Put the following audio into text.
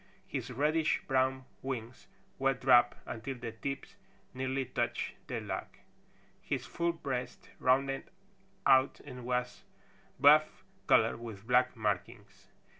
His reddish brown wings were dropped until the tips nearly touched the log. His full breast rounded out and was buff color with black markings.